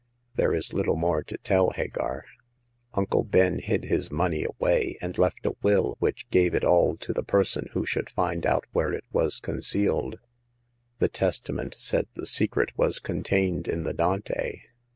"There is little more to tell, Hagar. Uncle Ben hid his money away, and left a will which gave it all to the person who should find out where it was concealed. The testament said the secret was contained in the Dante.